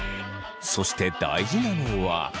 そして大事なのは。